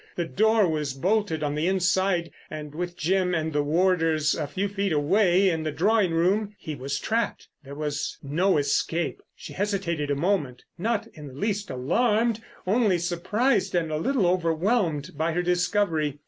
The door was bolted on the inside, and with Jim and the warders a few feet away in the drawing room he was trapped. There was no escape. She hesitated a moment, not in the least alarmed, only surprised and a little overwhelmed by her discovery.